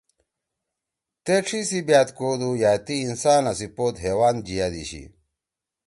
تے ڇھی سی بأت کودُو یأ تی انسانا سی پود حیوان جیِأدیِشی۔“